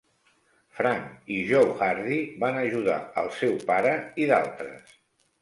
Frank i Joe Hardy van ajudar el seu pare i d'altres.